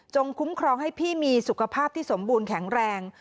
คุ้มครองให้พี่มีสุขภาพที่สมบูรณ์แข็งแรง